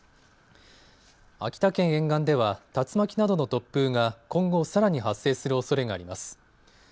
秋田県沿岸では竜巻などの突風が今後さらに発生するおそれがあります。